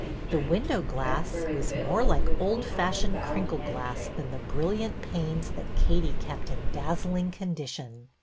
The window glass was more like old fashioned crinkle glass than the brilliant panes that Katie kept in dazzling condition.